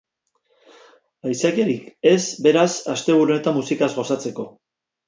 Aitzakiarik ez, beraz, asteburu honetan musikaz gozatzeko!